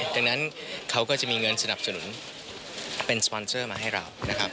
ดังนั้นเขาก็จะมีเงินสนับสนุนเป็นสปอนเซอร์มาให้เรานะครับ